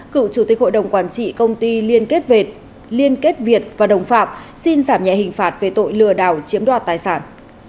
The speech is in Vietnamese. cựu chủ tịch hội đồng quản trị công ty liên kết liên kết việt và đồng phạm xin giảm nhẹ hình phạt về tội lừa đảo chiếm đoạt tài sản